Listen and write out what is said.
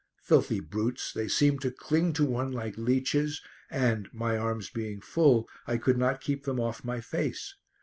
Filthy brutes! They seemed to cling to one like leeches, and, my arms being full, I could not keep them off my face.